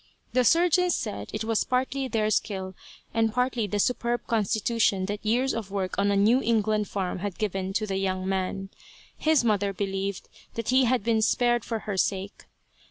The surgeons said it was partly their skill, and partly the superb constitution that years of work on a New England farm had given to the young man. His mother believed that he had been spared for her sake.